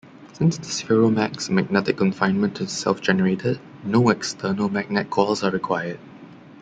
Since the spheromak's magnetic confinement is self-generated, no external magnet coils are required.